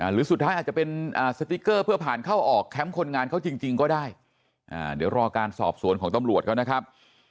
หรือสุดท้ายอาจจะเป็นสติ๊กเกอร์เพื่อผ่านเข้าออกแคมป์คนงานเขาจริงก็ได้เดี๋ยวรอการสอบสวนของตำรวจเขานะครับ